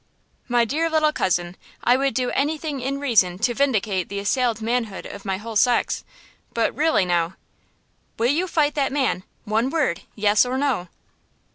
"My dear little cousin, I would do anything in reason to vindicate the assailed manhood of my whole sex, but really, now–" "Will you fight that man? One word–yes, or no?"